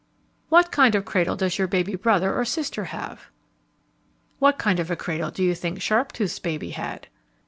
What kind of a cradle does your baby brother or sister have? What kind of a cradle do you think Sharptooth's baby had?